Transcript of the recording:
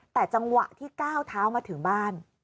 แต่จังหวะที่ก้าวเท้ามาถึงบ้าน